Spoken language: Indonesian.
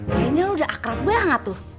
kayaknya lo udah akrab banget tuh